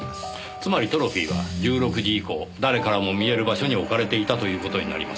つまりトロフィーは１６時以降誰からも見える場所に置かれていたという事になります。